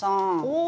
お！